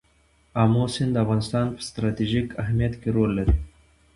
آمو سیند د افغانستان په ستراتیژیک اهمیت کې رول لري.